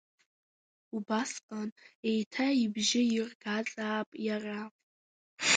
Убасҟан еиҭа ибжьы иргазаап иара.